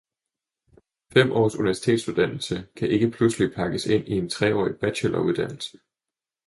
Fem års universitetsuddannelse kan ikke pludselig pakkes ind i en treårig bacheloruddannelse.